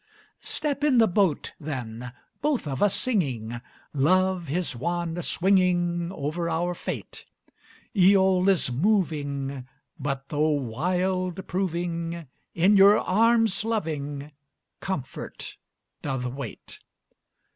Step in the boat, then both of us singing, Love his wand swinging Over our fate. Æol is moving, But though wild proving, In your arms loving Comfort doth wait.